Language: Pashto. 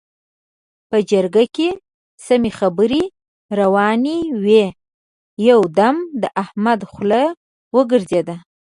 په جرګه کې سمې خبرې روانې وې؛ يو دم د احمد خوله وګرځېده.